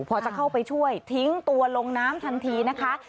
พอจะเข้าไปช่วยทิ้งตัวลงน้ำทันทีนะคะ